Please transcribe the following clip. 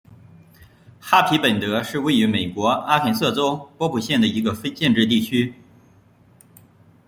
哈皮本德是位于美国阿肯色州波普县的一个非建制地区。